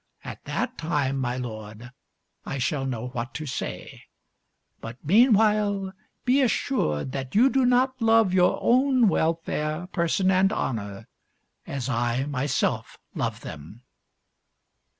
At that time, my lord, I shall know what to say, but meanwhile be assured that you do not love your own welfare, person and honour as I myself love them."